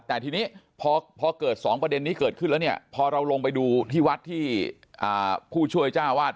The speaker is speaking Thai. แต่ทีนี้พอเกิด๒ประเด็นนี้เกิดขึ้นแล้วเนี่ยพอเราลงไปดูที่วัดที่ผู้ช่วยจ้าวาด